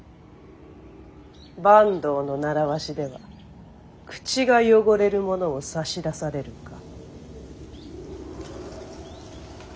坂東の習わしでは口が汚れるものを差し出されるか。